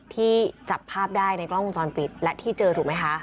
ที่จับภาพได้ในกล้องวงจรปิดและที่เจอถูกไหมคะ